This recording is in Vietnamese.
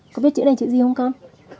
có biết chữ này là chữ gì không con